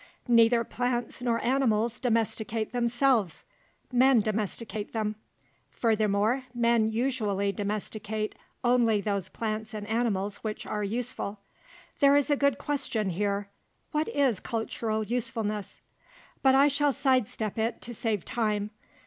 Neither plants nor animals domesticate themselves; men domesticate them. Furthermore, men usually domesticate only those plants and animals which are useful. There is a good question here: What is cultural usefulness? But I shall side step it to save time.